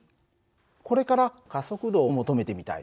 これから加速度を求めてみたい。